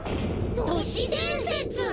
都市伝説！？